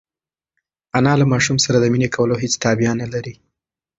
انا له ماشوم سره د مینې کولو هېڅ تابیا نهلري.